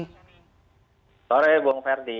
selamat sore bung ferdi